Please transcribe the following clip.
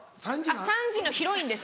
３時のヒロインです！